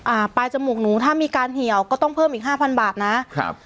อ่าปลายจมูกหนูถ้ามีการเหี่ยวก็ต้องเพิ่มอีกห้าพันบาทนะครับ